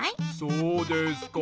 そうですか。